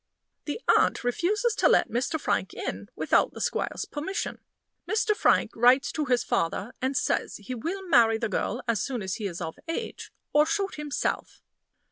The aunt refuses to let Mr. Frank in without the squire's permission. Mr. Frank writes to his father, and says he will marry the girl as soon as he is of age, or shoot himself.